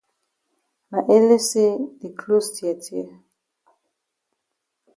Na ele say the closs tear tear.